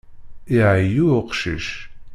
Iɛeyyu uqcic.